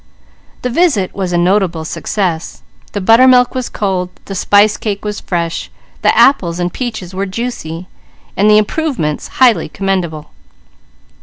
The visit was a notable success. The buttermilk was cold, the spice cake was fresh, the apples and peaches were juicy, the improvements highly commendable.